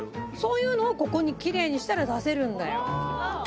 そういうのをここにきれいにしたら出せるんだよ。